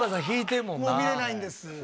もう見れないんです。